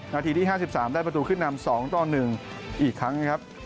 นาทีที่๕๓ได้ประตูขึ้นนำ๒ต่อ๑อีกครั้งนะครับ